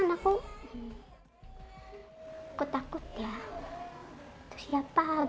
akhirnya kan aku takut